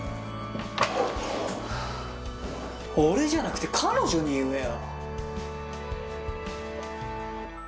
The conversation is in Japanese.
俺じゃなくて彼女に言えよ！